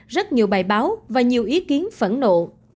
rất nhiều bài báo và nhiều ý kiến phẫn nộ